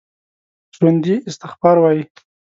ژوندي استغفار کوي